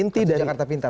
kartu jakarta pintar